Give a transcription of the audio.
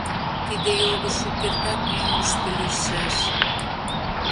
Тиде його шукертак мӧҥгыштӧ лийшаш.